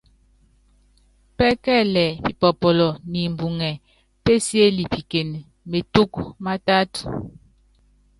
Pɛ́kɛlɛ pipɔpɔlɔ nimbuŋɛ pésiélipikene metúkú mátátu.